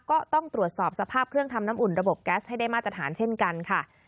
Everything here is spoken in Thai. ก็ต้องตรวจสอบสภาพเครื่องทำน้ำอุ่นระบบแก๊สให้ได้มาตรฐานเช่นกันค่ะ